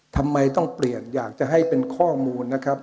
ทำไมต้องเปลี่ยนอยากจะให้เป็นข้อมูลนะครับ